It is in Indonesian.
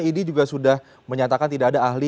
idi juga sudah menyatakan tidak ada ahli